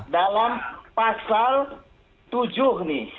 dalam pasal tujuh nih